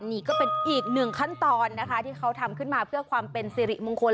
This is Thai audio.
นี่ก็เป็นอีกหนึ่งขั้นตอนนะคะที่เขาทำขึ้นมาเพื่อความเป็นสิริมงคล